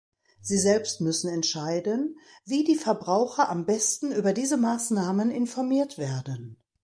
Sie selbst müssen entscheiden, wie die Verbraucher am besten über diese Maßnahmen informiert werden.